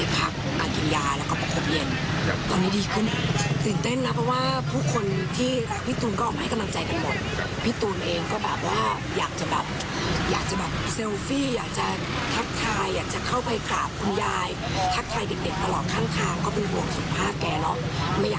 พ่อแก่แล้วไม่อยากให้พี่มิ้นยุทธใช่ตลอดเวลา